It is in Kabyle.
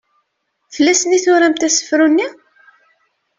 Fell-asen i turamt asefru-nni?